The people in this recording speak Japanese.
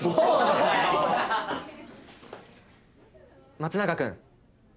松永君。